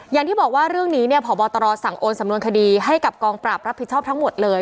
อย่างที่บอกว่าเรื่องนี้เนี่ยพบตรสั่งโอนสำนวนคดีให้กับกองปราบรับผิดชอบทั้งหมดเลย